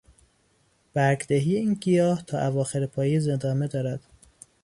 برگدهی این گیاه تا اواخر پاییز ادامه دارد.